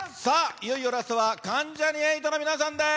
いよいよラストは関ジャニ∞の皆さんです。